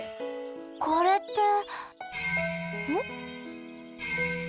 これってん？